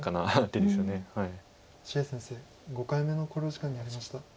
謝先生５回目の考慮時間に入りました。